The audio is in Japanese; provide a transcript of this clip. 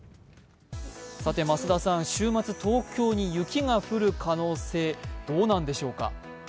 週末、東京に雪が降る可能性、どうなんでしょうか。